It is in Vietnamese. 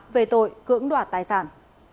về tội cưỡng đoạt tài sản